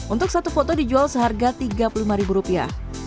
untuk satu foto dijual seharga tiga puluh lima ribu rupiah